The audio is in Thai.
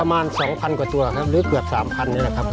ประมาณ๒๐๐กว่าตัวครับหรือเกือบ๓๐๐นี่แหละครับ